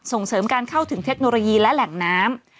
ส่งเสริมการเข้าถึงเทคโนโลยีและแหล่งน้ำ